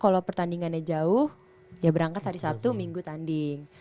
kalau pertandingannya jauh ya berangkat hari sabtu minggu tanding